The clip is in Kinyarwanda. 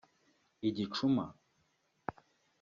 igicuma